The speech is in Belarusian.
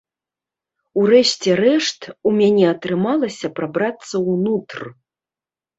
У рэшце рэшт, у мяне атрымалася прабрацца ўнутр.